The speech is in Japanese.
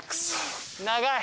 長い！